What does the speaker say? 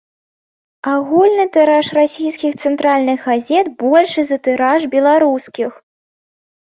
Агульны тыраж расійскіх цэнтральных газет большы за тыраж беларускіх.